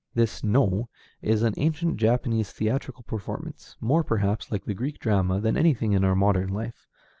This No is an ancient Japanese theatrical performance, more, perhaps, like the Greek drama than anything in our modern life.